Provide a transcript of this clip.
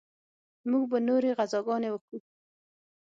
موږ به نورې غزاګانې وکو.